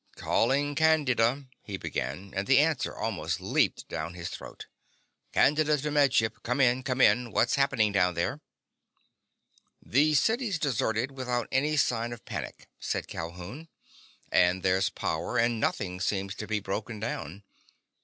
"Calling Candida—" he began, and the answer almost leaped down his throat. "Candida to Med Ship. Come in! Come in! What's happened down there?" "The city's deserted without any sign of panic," said Calhoun, "and there's power and nothing seems to be broken down.